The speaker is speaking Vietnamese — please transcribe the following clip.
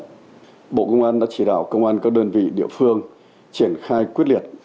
thứ nhất bộ công an đã chỉ đạo công an các đơn vị địa phương triển khai quyết liệt